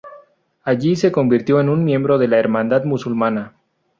Allí se convirtió en un miembro de la Hermandad Musulmana.